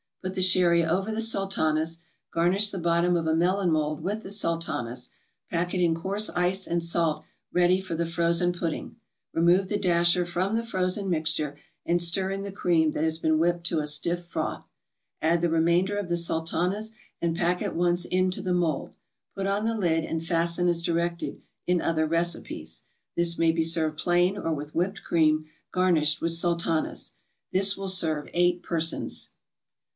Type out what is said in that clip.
Put the sherry over the Sultanas. Garnish the bottom of a melon mold with the Sultanas, pack it in coarse ice and salt ready for the frozen pudding. Remove the dasher from the frozen mixture, and stir in the cream that has been whipped to a stiff froth. Add the remainder of the Sultanas and pack at once into the mold; put on the lid and fasten as directed in other recipes. This may be served plain or with whipped cream garnished with Sultanas. This will serve eight persons.